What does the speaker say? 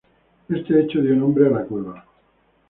Este hecho dio nombre a la cueva.